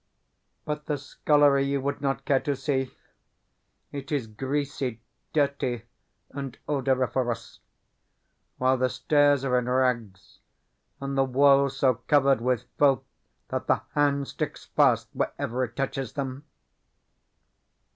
But the scullery you would not care to see; it is greasy, dirty, and odoriferous, while the stairs are in rags, and the walls so covered with filth that the hand sticks fast wherever it touches them.